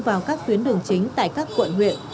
vào các tuyến đường chính tại các quận huyện